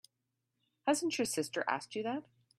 Hasn't your sister asked you that?